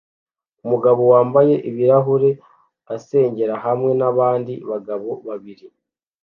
Umugabo wambaye ibirahure asengera hamwe nabandi bagabo babiri